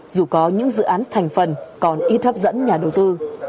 dù có những dự án thành phần còn ít hấp dẫn nhà đầu tư